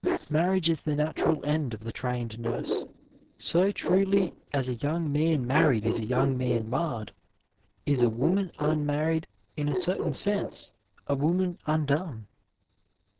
Marriage is the natural end of the trained nurse. So truly as a young man married is a young man marred, is a woman unmarried, in a certain sense, a woman undone.